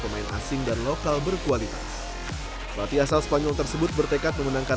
pemain asing dan lokal berkualitas pelatih asal spanyol tersebut bertekad memenangkan